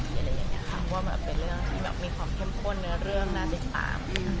ทำว่ามันเป็นเรื่องที่มีความเข้มข้นในเรื่องนาศิสตา